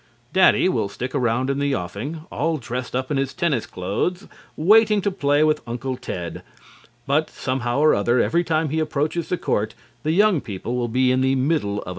Daddy will stick around in the offing all dressed up in his tennis clothes waiting to play with Uncle Ted, but somehow or other every time he approaches the court the young people will be in the middle of a set.